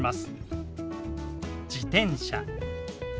「自転車」。